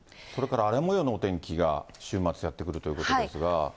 それから荒れもようのお天気が週末やって来るということです